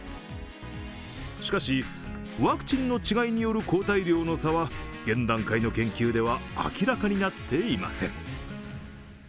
しかし、ワクチンの違いによる抗体量の差は現段階の研究では明らかになっていません。